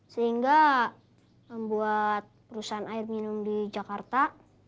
sehingga membuat perusahaan air minum di jakarta